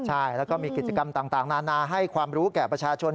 ใช่แล้วก็มีกิจกรรมต่างนานาให้ความรู้แก่ประชาชน